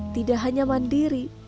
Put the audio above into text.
tidak hanya mandiri